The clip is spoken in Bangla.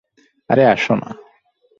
আরে আসো না।